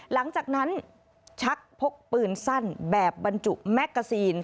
หลังจากนั้นชักพกปืนสั้นแบบบรรจุแมกกาซีน